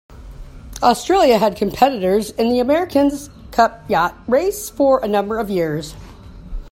Australia had competitors in the America's Cup yacht race for a number of years.